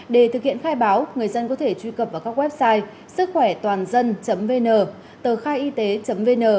để thực hiện khai báo người dân có thể truy cập vào các website sứckhoẻtoàndân vn tờkhaiyt vn